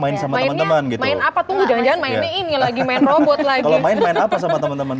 main apa tuh jangan jangan main ini lagi main robot lagi main apa sama temen temen